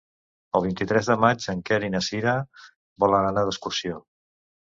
El vint-i-tres de maig en Quer i na Cira volen anar d'excursió.